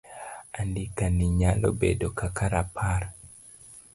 Andika ni nyalo bedo kaka rapar